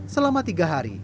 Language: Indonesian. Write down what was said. selama tiga hari